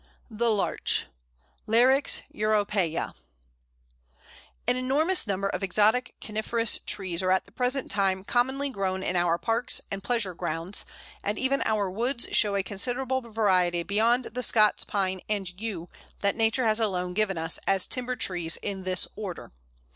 The Larch (Larix europæa). An enormous number of exotic Coniferous trees are at the present time commonly grown in our parks and pleasure grounds, and even our woods show a considerable variety beyond the Scots Pine and Yew that Nature has alone given us as timber trees in this order.